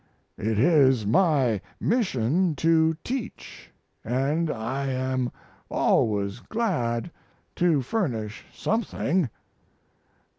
It is my mission to teach, and I am always glad to furnish something.